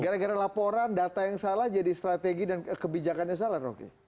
gara gara laporan data yang salah jadi strategi dan kebijakannya salah rocky